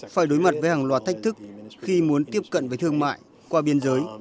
phải đối mặt với hàng loạt thách thức khi muốn tiếp cận với thương mại qua biên giới